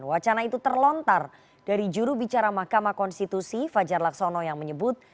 wacana itu terlontar dari juru bicara mk fajar laksono yang menyebut